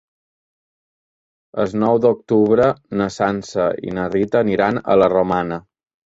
El nou d'octubre na Sança i na Rita aniran a la Romana.